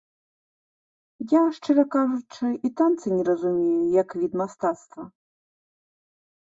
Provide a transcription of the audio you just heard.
Я, шчыра кажучы, і танцы не разумею, як від мастацтва.